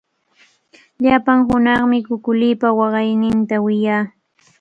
Llapan hunaqmi kukulipa waqayninta wiyaa.